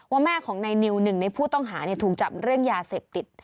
แม่ของนายนิวหนึ่งในผู้ต้องหาถูกจับเรื่องยาเสพติด